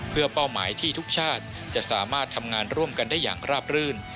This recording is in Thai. เพื่อเป้าหมายที่ทุกชาติจะสามารถทำงานร่วมกันได้อย่างราบรื่น